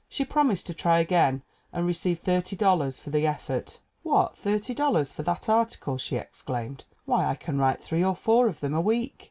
She promised to try again and received $30 for the effort. "What, $30 for that article ?" she exclaimed. "Why, I can write three or four of them a week."